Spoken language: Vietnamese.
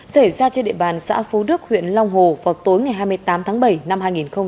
xảy ra trên địa bàn xã phú đức huyện long hồ vào tối ngày hai mươi tám tháng bảy năm hai nghìn hai mươi ba